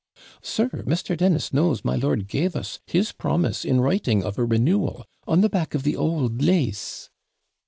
'Sir, Mr. Dennis knows my lord gave us his promise in writing of a renewal, on the back of the OULD LASE.'